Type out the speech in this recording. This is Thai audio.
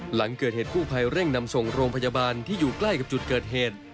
หลังเกิดเหตุกู้ภัยเร่งนำส่งโรงพยาบาลที่อยู่ใกล้กับจุดเกิดเหตุ